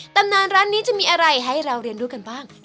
ตำนานร้านนี้จะมีอะไรให้เราเรียนรู้กันบ้าง